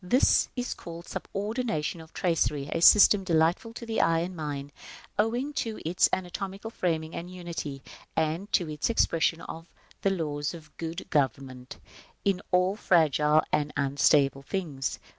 This is called the subordination of tracery, a system delightful to the eye and mind, owing to its anatomical framing and unity, and to its expression of the laws of good government in all fragile and unstable things.